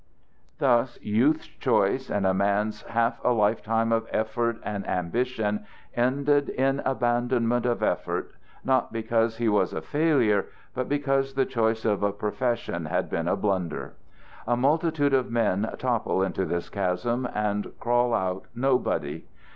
Thus youth's choice and a man's half a lifetime of effort and ambition ended in abandonment of effort not because he was a failure but because the choice of a profession had been a blunder. A multitude of men topple into this chasm and crawl out nobody.